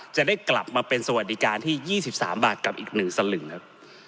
จะได้กลับมาเป็นสวัสดิการที่๒๓บาทกับอีก๑สลึงครับ